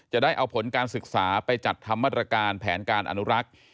จะได้เอาผลการศึกษาไปจัดทำมาตรการแผนการอนุรักษ์